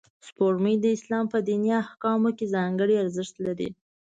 سپوږمۍ د اسلام په دیني احکامو کې ځانګړی ارزښت لري